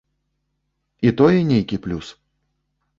І тое нейкі плюс.